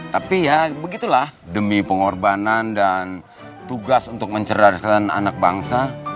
tapi ya begitulah demi pengorbanan dan tugas untuk mencerdaskan anak bangsa